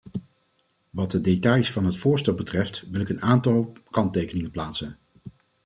Wat de details van het voorstel betreft, wil ik een aantal kanttekeningen plaatsen.